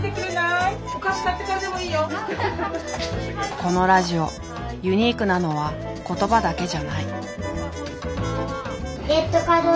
このラジオユニークなのは言葉だけじゃない。